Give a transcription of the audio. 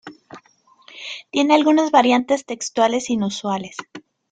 Tiene algunas variantes textuales inusuales.